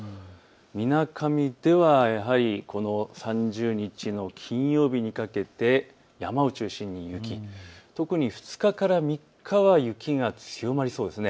みなかみではやはり３０日の金曜日にかけて山を中心に雪、特に２日から３日は雪が強まりそうです。